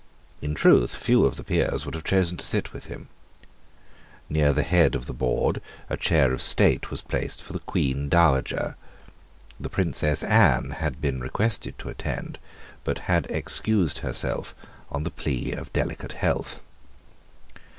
In truth few of the Peers would have chosen to sit with him. Near the head of the board a chair of state was placed for the Queen Dowager. The Princess Anne had been requested to attend, but had excused herself on the plea of delicate health.